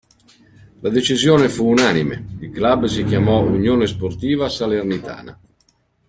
La decisione fu unanime, il club si chiamò "Unione Sportiva Salernitana".